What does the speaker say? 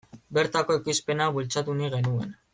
Bertako ekoizpena bultzatu nahi genuen.